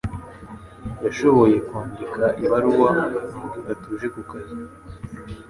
Yashoboye kwandika ibaruwa mugihe atuje ku kazi